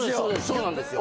そうなんですよ。